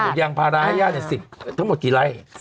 ปลูกยางพาราย่า๑๐ทั้งหมดกี่ไร่